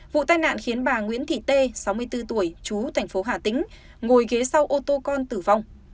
vụ tai nạn khiến bà nguyễn thị tê sáu mươi bốn tuổi chú thành phố hà tĩnh ngồi ghế sau ô tô con tử vong